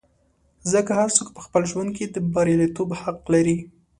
ځکه هر څوک په خپل ژوند کې د بریالیتوب حق لري.